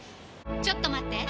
ちょっと待って！